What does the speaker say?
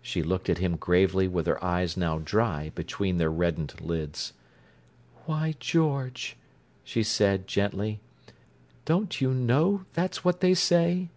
She looked at him gravely with her eyes now dry between their reddened lids. "Why, George," she said, gently, "don't you know that's what they say?